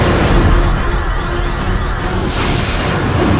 kau tetap menunggu